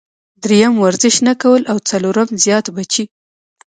دريم ورزش نۀ کول او څلورم زيات بچي -